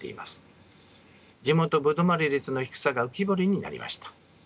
地元歩留まり率の低さが浮き彫りになりました。